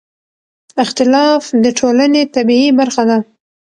اختلاف د ټولنې طبیعي برخه ده